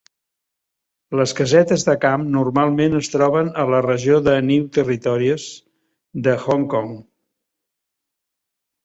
Les casetes de camp normalment es troben a la regió de New Territories de Hong Kong.